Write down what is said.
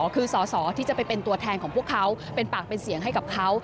คือสอสอที่จะไปเป็นตัวแทนของพวกเขาเป็นปากเป็นเสียงให้กับเขา